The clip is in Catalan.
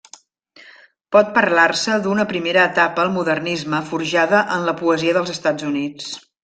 Pot parlar-se d'una primera etapa al modernisme forjada en la poesia dels Estats Units.